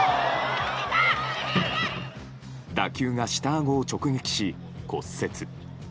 打球が下あごを直撃し、骨折。